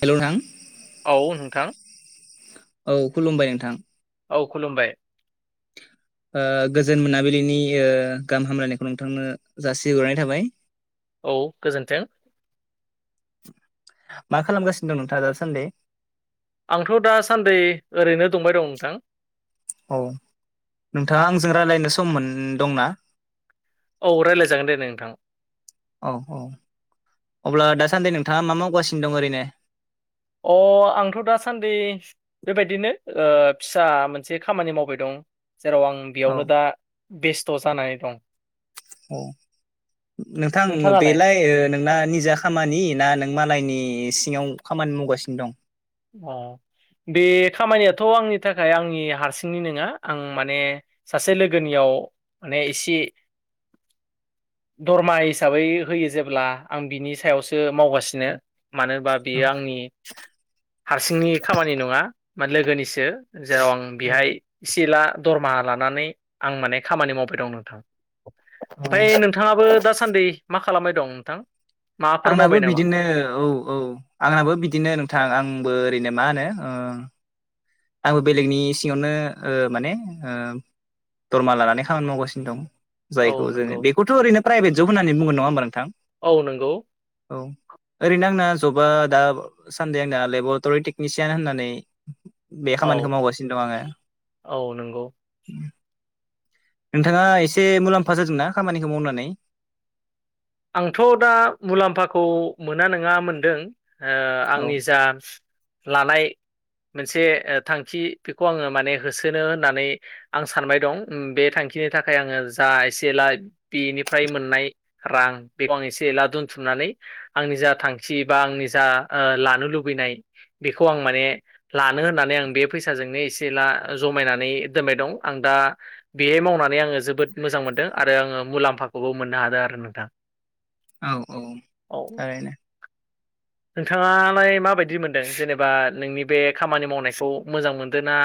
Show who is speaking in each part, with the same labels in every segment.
Speaker 1: Hello नोंथां
Speaker 2: औ नोंथां
Speaker 1: औ खुलुमबाय नोंथां
Speaker 2: औ खुलुमबाय
Speaker 1: ओ गोजोन मोनाबिलिनि ओ गाहाम हामलायनायखौ नोंथांनो जासि हरनाय थाबाय
Speaker 2: औ गोजोन्थों
Speaker 1: मा खालामगासिनो दं नोंथाङा दासान्दि
Speaker 2: आंथ' दासान्दै ओरैनो दंबाय दं नोंथां
Speaker 1: औ नोंथाङा आंजों रायलायनो सम मोन दंना?
Speaker 2: औ रायलाय जागोन दे नोंथां
Speaker 1: औ औ अब्ला दासान्दै नोंथाङा मा मावगासिनो दं ओरैनो
Speaker 2: अ आंथ' दासान्दै बेबायदिनो ओ फिसा मोनसे खामानि मावबाय दं जेराव आं
Speaker 1: औ
Speaker 2: बेयावनो दा बेस्थ' जानानै दं।
Speaker 1: अ नोंथां
Speaker 2: नोंथाङालाय
Speaker 1: बेलाय ओ नोंना
Speaker 2: औ
Speaker 1: निजा खामानि ना नों मालायनि सिङाव खामानि मावगासिनो दं
Speaker 2: अ बे खामानियाथ' आंनि थाखाय आंनि हारसिंनि नङा आं माने सासे लोगोनियाव माने इसे दरमा हिसाबै होयो जेब्ला आं बिनि सायावसो मावगासिनो। मानो होनबा
Speaker 1: औ
Speaker 2: बेयो आंनि हारसिंनि खामानि नङा मा लोगोनिसो जेराव आं
Speaker 1: औ
Speaker 2: बिहाय सिला दरमाहा लानानै आं माने खामानि मावफाय दं नोंथां
Speaker 1: औ
Speaker 2: ओमफाय नों थाङाबो दासान्दै मा खालामबाय दं नोंथां? माबाफोर
Speaker 1: आंनाबो
Speaker 2: मावबाय नामा?
Speaker 1: बिदिनो औ औ आंनाबो बिदिनो नोंथां आंबो ओरैनो मा होनो ओ आंबो बेलेगनि सिङावनो ओ माने ओ दरमा लानानै खामानि मावगासिनो दं।
Speaker 2: औ
Speaker 1: जायखौ
Speaker 2: नंगौ
Speaker 1: जोङो बेखौथ' ओरैनो प्राइभेट जब होननानै बुङो नङा होमबा नोंथां?
Speaker 2: औ नोंगौ।
Speaker 1: औ। ओरैनो आंना जबा दा सान्दै आंना लेबरटरि टेकनिसियान होननानै बे
Speaker 2: औ
Speaker 1: खामानिखो मावगासिनो दं आङो।
Speaker 2: औ नंगौ
Speaker 1: नोंथाङा एसे मुलाम्फा जादोंना खामानिखौ मावनानै?
Speaker 2: आंथ' दा मुलाम्फाखौ मोना नोङा मोनदों ओ
Speaker 1: औ
Speaker 2: आंनि जा लानाय मोनसे ओ थांखि बेखौ आङो माने होसोनो होननानै आं सानबाय दं बे थांखिनि थाखाय आङो जा एसे एला बेनिफाय मोननाय रां बेखौ आं एसे एला दोनथुमनानै आंनि जा थांखि बा आंनि जा ओ लानो लुबैनाय बेखौ आं माने लानो होननानै आं बे फैसाजोंनो एसे जमायनानै दोनबाय दं आं दा बेहै मावनानै आङो जोबोद मोजां मोनदों आरो आङो मुलाम्फाखौबो मोननो हादों आरो नोंथां।
Speaker 1: औ औ
Speaker 2: औ
Speaker 1: थारैनो।
Speaker 2: नोंथाङालाय माबायदि मोनदों जेनेबा नोंनि बे खामानि मावनायखौ मोजां मोनदों ना?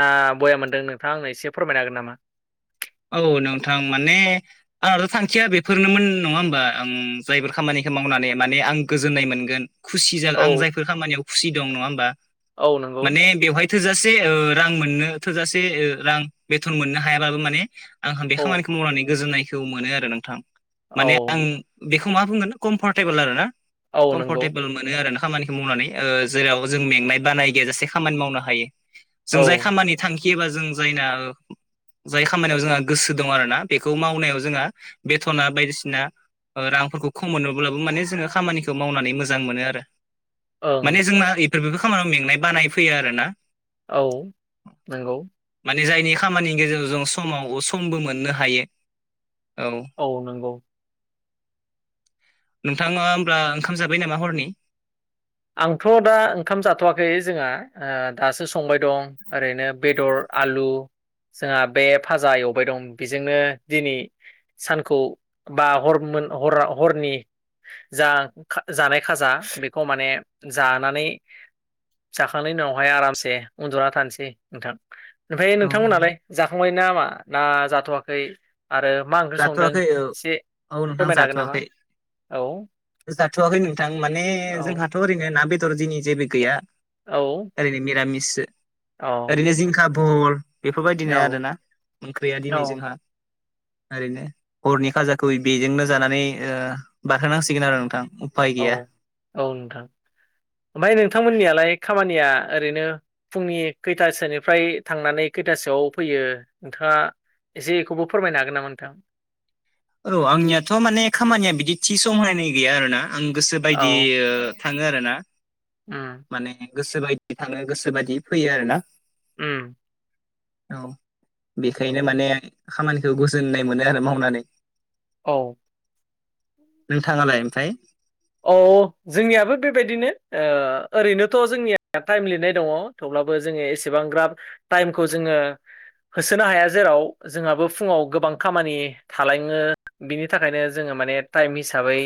Speaker 2: ना बया मोनदों नोंथाङा आंनो एसे फोरमायनो हागोन नामा?
Speaker 1: औ नोंथां माने आंहाथ' थांखिया बेफोरनोमोन नङा होमबा आं जायफोर खामानिखौ मावनानै माने आं गोजोननाय मोनगोन। खुसि जा
Speaker 2: औ
Speaker 1: आं जायफोर खामानियाव खुसि दं नङा होमबा
Speaker 2: औ नंगौ
Speaker 1: माने बेवहाय थोजासे ओ रां मोननो थोजासे ओ रां बेथन मोननो हायाबाबो माने आंहा बे
Speaker 2: औ
Speaker 1: खामानिखौ मावनानै गोजोननायखौ मोनो आरो नोंथां माने आं
Speaker 2: औ
Speaker 1: बेखौ मा बुंगोन कमफारटेबोल आरो ना
Speaker 2: औ नंगौ
Speaker 1: कमफरटेबोल। मोनो आरो ना खामानिखौ मावनानै ओ जेराव जों मेंनाय बानाय गैया जासे खामानि मावनो हायो।
Speaker 2: औ
Speaker 1: जों जाय खामानि थांखि एबा जों जायना जाय खामानियाव जोंहा गोसो दं आरोना बेखौ मावनायाव जोंहा बेथ'ना बायदिसिना रांफोरखौ खम मोनोब्लाबो माने जोङो खामानिखौ मावनानै मोजां मोनो आरो। माने
Speaker 2: ओं
Speaker 1: जोंना इफोर बेबो खामानियाव मेंनाय बानाय फैयो आरो ना।
Speaker 2: औ नंगौ।
Speaker 1: माने जायनि खामानि गेजेराव जों समाव समबो मोननो हायो औ।
Speaker 2: औ नंगौ।
Speaker 1: नोंथाङा होमब्ला ओंखाम जाबाय नामा हरनि?
Speaker 2: आंथ' दा ओंखाम जाथ'वाखै जोंहा ओ दासो संबाय दं। ओरैनो बेदर आलु। जोंहा बे भाजा एवबाय दं बेजोंनो दिनै सानखौ बा हर हर हरनि जा जानाय खाजा बेखौ माने जानानै जाखांनायनि उनावहाय आरामसे उन्दुना थानोसै। नोंथां ओमफ्राय
Speaker 1: औ
Speaker 2: नोंथांमोनालाय जाखांबाय ना मा ना जाथ'वाखै? आरो मा ओंख्रि संदों
Speaker 1: जाथ'वाखै औ
Speaker 2: एसे
Speaker 1: औ नोंथां
Speaker 2: फोरमायनो हागोन नामा
Speaker 1: जाथ'वाखै
Speaker 2: औ।
Speaker 1: जाथ'वाखै नोंथां माने
Speaker 2: औ
Speaker 1: जोंहाथ' ओरैनो ना बेदर दिनि जेबो गैया।
Speaker 2: औ।
Speaker 1: ओरैनो निरामिस ओरैनो जिंखा भहल।
Speaker 2: औ
Speaker 1: बेफोरबायदिनो आर ना ओंख्रिया दिनै जोंहा। ओरैनो हरनि खाजाखौ बेजोंनो जानानै औ बारहोनांसिगोन आरो नोंथां उफाय
Speaker 2: औ
Speaker 1: गैया
Speaker 2: औ नोंथां ओमफ्राय नोंथांमोननियालाय खामानिया ओरैनो फुंनि खैथासोनिफ्राय थांनानै खैथासोआव फैयो नोंथाङा एसे इखौबो फोरमायनो हागोन नामा नोंथां
Speaker 1: औ आंनियाथ' माने खामानिया बिदि थि समहायनाय गैया आरो ना आं गोसो बायदि
Speaker 2: औ
Speaker 1: थाङो आरो ना
Speaker 2: उम
Speaker 1: माने गोसो बायदि थाङो गोसो बायदि फैयो आरो ना
Speaker 2: उम
Speaker 1: औ बेखायनो
Speaker 2: औ
Speaker 1: माने खामानिखौ गोजोननाय मोनो आरो मावनानै
Speaker 2: औ
Speaker 1: नोंथाङालाय ओमफ्राय
Speaker 2: औ जोंनियाबो बेबायदिनो ओ ओरैनोथ' जोंनिया टाइम लिरनाय दङ थेवब्लाबो जोङो एसेबां ग्राब टाइमखौ जोङो होसोनो हाया जेराव जोंहाबो फुङाव गोबां खामानि थालाङो बिनि थाखायनो जोङो माने टाइम हिसाबै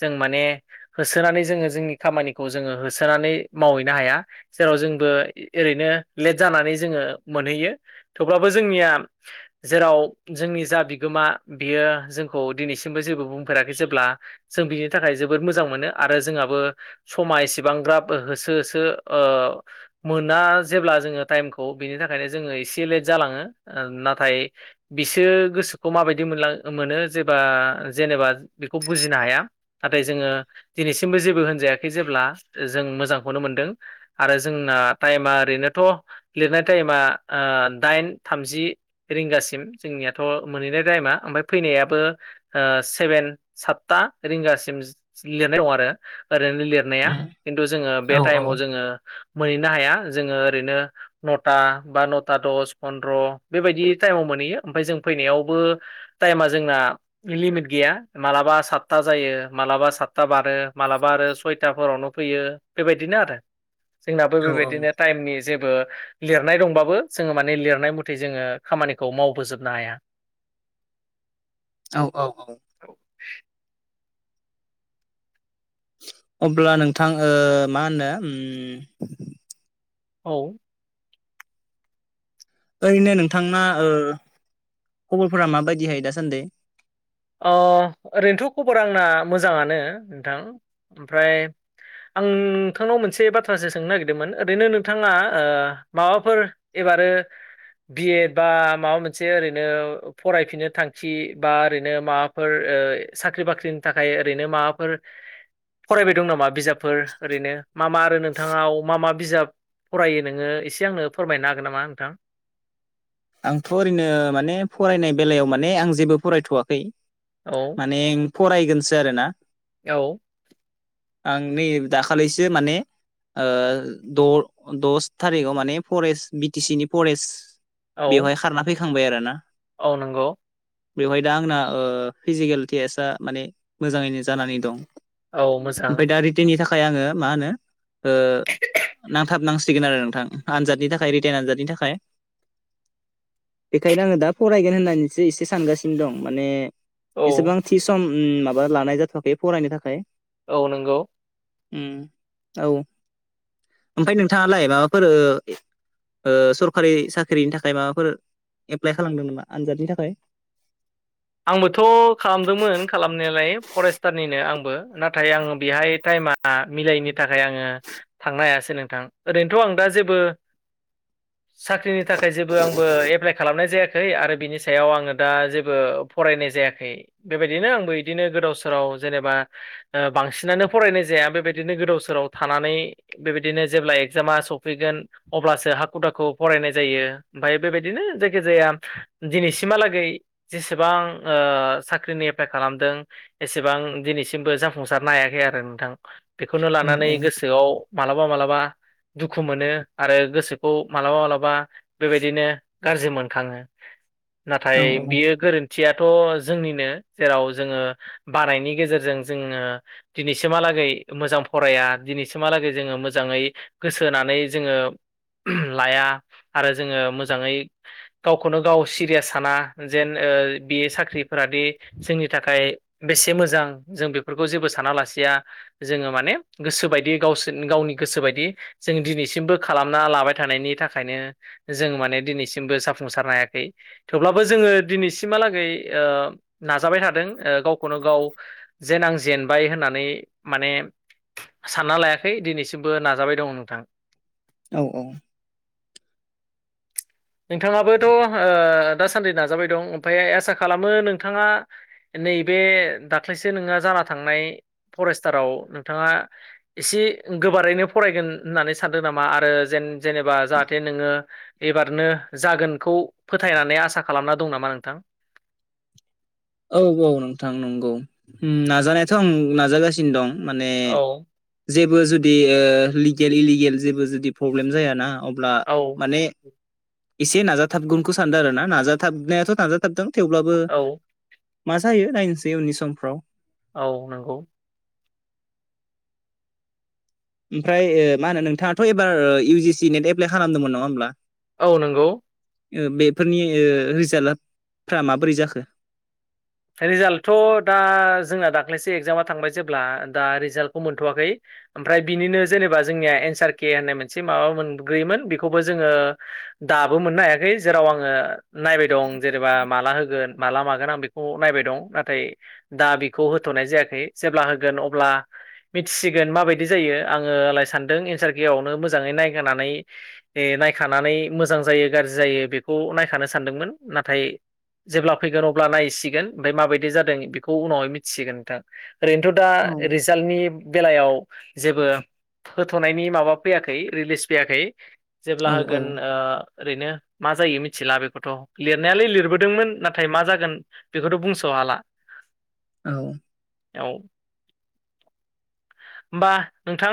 Speaker 2: जों माने होसोनानै जोङो जोंनि खामानिखौ जोङो होसोनानै मावहैनो हाया। जेराव जोंबो ओरैनो लेट जानानै जोङो मोनहैयो थेवब्लाबो जोंनिया जेराव जोंनि जा बिगोमा बियो जोंखौ दिनैसिमबो जेबो बुंफेराखै। जेब्ला जों बिनि थाखाय जो बोद मोजां मोनो आरो जोंहाबो समा एसेबांग्राब होसो होसो ओ मोना जेब्ला जोङो टाइमखौ बिनि थाखायनो जोङो एसे लेट जालाङो। ओ नाथाय बिसोर गोसोखौ माबायदि मोनलां मोनो जेबा जेनेबा बेखौ बुजिनो हाया नाथाय जोङो दिनैसिमबो जेबो होनजायाखै जेब्ला जों मोजांखौनो मोनदों। आरो जोंना टाइमा ओरैनोथ' लिरनाय टाइमा ओ दाइन थामजि रिंगासिम जोंनियाथ' मोनहैनाय टाइमा ओमफाय फैनायाबो ओ सेभेन सातता रिंगा सिम लिरनाय दं आरो ओरैनो लिरनाया खिन्थु जोङो बे
Speaker 1: औ
Speaker 2: टाइमाव जोङो मोनहैनो हाया। जोङो ओरैनो नथा बा नथा दस फन्द्र बेबायदि टाइमाव मोनहैयो ओमफ्राय जों फैनायावबो टाइमा जोंना लिमिट गैया मालाबा सातथा जायो मालाबा सातथा बारो मालाबा आरो सयथाफोरावनो फैयो बेबायदिनो आरो जोंनाबो
Speaker 1: औ
Speaker 2: बेबायदिनो टाइमनि जेबो लिरनाय दंबाबो जोङो माने लिरनाय मथै जोङो खामानिखौ मावबोजोबनो हाया।
Speaker 1: औ औ औ अब्ला नोंथां ओ मा होनो ओम
Speaker 2: औ
Speaker 1: ओरैनो नोंथांना ओ खबरफोरा माबायदिहाय दासान्दै
Speaker 2: ओ ओरैनोथ' खबर आंना मोजाङानो नोंथां। ओमफ्राय आं नोंथांनाव मोनसे बाथ्रासो सोंनो नागिरदोंमोन ओरैनो नोंथाङा ओ माबाफोर एबारो बि एड बा माबा मोनसे ओरैनो फरायफिननो थांखि बा ओरै माबाफोर ओ साख्रि-बाख्रिनि थाखाय ओरैनो माबाफोर फरायबाय दं नामा बिजाबफोर ओरैनो मा मा आरो नोंथाङाव मा मा बिजाब फरायो नोङो एसे आंनो फोरमायनो हागोन नामा नोंथां?
Speaker 1: आंथ' ओरैनो माने फरायनाय बेलायाव माने आं जेबो फरायथ'वाखै।
Speaker 2: औ
Speaker 1: माने फरायगोनसो आरो ना
Speaker 2: औ।
Speaker 1: आं नै दाखालैसो माने ओ द दस थारिग आव माने फरेस्ट बिटिसि नि फरेस्ट
Speaker 2: औ
Speaker 1: बेवहाय खारना फैखांबाय आरोना।
Speaker 2: औ नंगौ।
Speaker 1: बेवहाय दा आंना ओ फिजिकेल टेस्टआ माने मोजाङैनो जानानै दं।
Speaker 2: औ मोजां
Speaker 1: ओमफाय दा रितेननि थाखाय आङो मा होनो ओ नांथाबनांसिगोन आरो नोंथां आनजादनि थाखाय रितेन आनजादनि थाखाय। बेखायनो आङो दा फरायगोन होननानैसो एसे सानगासिनो दं माने
Speaker 2: औ
Speaker 1: एसेबां थि सम उम माबा लानाय जाथ'वाखै फरायनो थाखाय।
Speaker 2: औ नंगौ।
Speaker 1: उम औ। ओमफाय नोंथाङालाय माबाफोर ओ ओ सरकारि सा‌ ख्रिनि थाखाय माबाफोर एप्लाइ खालामदों नामा आनजादनि थाखाय?
Speaker 2: आंबोथ' खालामदोंमोन खालामनालायो फरेष्टारनिनो आंबो। नाथाय आं बेहाय टाइमा मिलायैनि थाखाय आङो थांनो हायासै नोंथां ओरैनोथ' आं दा जेबो साख्रिनि थाखाय जेबो आंबो एप्लाइ खालामनाय जायाखै आरो बिनि सायाव आङो दा जेबो फरायनाय जायाखै बेबायदिनो आंबो इदिनो गोदाव सोराव जेनेबा बांसिनानो फरायनाय जाया बेबायदिनो गोदाव सोराव थानानै बेबायदिनो जेब्ला एगजामा सफैगोन, अब्लासो हाखु दाखु फरायनाय जायो ओमफ्राय बेबायदिनो जायखि जाया दिनैसिमहालागै गोबां साख्रिनि एप्लाइ खालामदों। एसेबां दिनैसिमबो जाफुंसारनो हायाखै आरो नोंथां बेखौनो
Speaker 1: औ
Speaker 2: लानानै गोसोआव मालाबा मालाबा दुखु मोनो आरो गोसोखौ मालाबा मालाबा बेबायदिनो गाज्रि मोनखाङो। नाथाय
Speaker 1: औ
Speaker 2: बियो गोरोन थियाथ' जोंनिनो जेराव जोङो बानायनायनि गेजेरजों जोङो दिनैसिमहालागै मोजां फराया दिनैसिमहालागै जोङो मोजाङै गोसो होनानै जोङो लाया आरो जोङो मोजाङै गावखौनो गाव सिरियास साना जेन ओ बे साख्रिफोरादि जोंनि थाखाय बेसे मोजां जों बेफोरखौ जेबो साना लासिया। जोङो माने गोसो बायदि गावसोर गावनि गोसो बायदि जों दिनैसिमबो खालामना लाबाय थानायनि थाखायनो जों माने दिनैसिमबो जाफुंसारनो हायाखै। थेवब्लाबो जोङो दिनैसिमहालाग गै ओ नाजाबाय थादों गावखौनो गाव। जेन आं जेनबाय होननानै माने सानना लायाखै दिनैसिमबो नाजाबाय दङ नोंथां।
Speaker 1: औ औ।
Speaker 2: नोंथाङाबोथ' ओ दासान्दि नाजाबाय दं। ओमफाय आस खालामो नोंथाङा नैबे दाख्लैसो नोंङो जाना थांनाय फरेस्टाराव नोंथाङा एसे गोबारैनो फरायगोन होननानै सानदों नामा आरो जेन जेनेबा जाहाथे नोङो एबारनो जागोनखौ फोथायनानै आसा खालामना दं नामा नोंथां।
Speaker 1: औ औ नोंथां नंगौ। नाजानायाथ' आं नाजागासिनो दं माने
Speaker 2: औ
Speaker 1: जेबो जुदि लिगेल इलिगेल जेबो जुदि प्रब्लेम जायाना अब्ला
Speaker 2: औ।
Speaker 1: ने एसे नाजाथाबगुनखौ सानदों आरो ना नाजाथाबनायाथ' नाजाथाबदों थेवब्लाबो
Speaker 2: औ
Speaker 1: मा जायो नायनोसै उननि समफ्राव।
Speaker 2: औ नंगौ।
Speaker 1: ओमफ्राय ओ मा होनो नोंथाङाथ' एबार इउजि सि नेट एप्लाइ खालामदोंमोन नङा होमब्ला?
Speaker 2: औ नंगौ।
Speaker 1: बेफोरनि ओ रिजाल्टफ्रा माबोरै जाखो?
Speaker 2: रिजाल्टथ' दा जोंना दाख्लैसो एगजामा थांबाय जेब्ला दा रिजाल्टखौ मोनथ'वाखै। ओमफ्राय बिनिनो जेनेबा जोंनिया एनसार के होननाय मोनसे माबा मोनग्रयोमोन बेखौबो जोङो दाबो मोननो हायाखै, जेराव आङो नायबाय दं जेनेबा माला होगोन माला मागोन आं बे खौ नायबाय दं। नाथाय दा बेखौ होथ'नाय जायाखै जेब्ला होगोन अब्ला मिथिसिगोन माबायदि जायो आङोलाय सानदों एन्सार कियावनो मोजाङै नायगेनानै ए नायखानानै मोजां जायो गाज्रि जायो बेखौ नायखानो सानदोंमोन। नाथाय जेब्ला फैगोन अब्ला नायसि गोन ओमफाय माबायदि जादों बेखौ उनावहाय मिथिसिगोन नोंथां। ओरैनोथ' दा
Speaker 1: औ
Speaker 2: रि जाल्टनि बेलायाव जेबो होथ'नायनि माबा फैयाखै रिलिस फैयाखै जेब्ला
Speaker 1: औ औ
Speaker 2: होगोन ओ ओरैनो मा जायो मिथिला बेखौथ' लिरनायालाय लिरबोदोंमोन नाथाय मा जागोन बेखौथ' बुंस' हाला।
Speaker 1: औ।
Speaker 2: औ होमबा नोंथां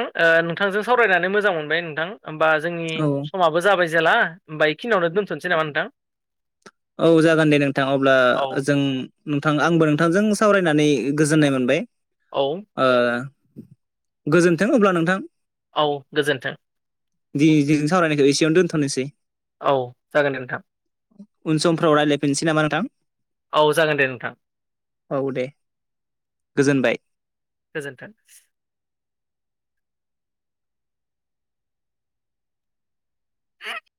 Speaker 2: नोंथांजों सावरायनानै मोजां मोनबाय नोंथां। होमबा जोंनि
Speaker 1: औ
Speaker 2: समाबो जाबाय जेला होमबा बेखिनियावनो दोनथ'नोसै नामा नोंथां?
Speaker 1: औ जागोन दे नोंथां अब्ला
Speaker 2: औ
Speaker 1: जों नोंथां आंबो नोंथांजों सावरायनानै गोजोननाय मोनबाय।
Speaker 2: औ
Speaker 1: गोजोन्थों अब्ला नोंथां।
Speaker 2: औ गोजोन्थों।
Speaker 1: दिनैजों सावरायनायखौ एसेयावनो दोनथ'नोसै।
Speaker 2: औ जागोन नोंथां।
Speaker 1: उन समफ्राव रायलायफिनसै नामा नोंथां?
Speaker 2: औ जागोन दे नोंथां।
Speaker 1: औ दे गोजोनबाय।
Speaker 2: गोजोन्थों। [inaudible]